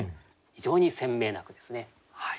非常に鮮明な句ですね。